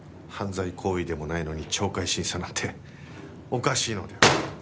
犯罪行為でもないのに懲戒審査なんておかしいのでは。